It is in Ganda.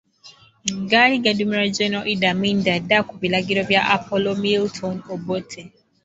Gaali gaduumirwa Gen. Idd Amin Dada ku biragiro bya Apollo Milton Obote.